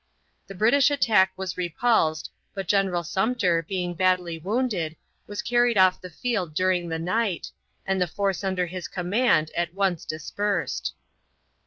The British attack was repulsed, but General Sumpter, being badly wounded, was carried off the field during the night, and the force under his command at once dispersed.